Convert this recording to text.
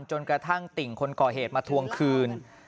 กระทั่งติ่งคนก่อเหตุมาทวงคืน